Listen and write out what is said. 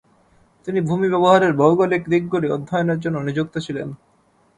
তিনি ভূমি ব্যবহারের ভৌগোলিক দিকগুলি অধ্যয়নের জন্য নিযুক্ত ছিলেন।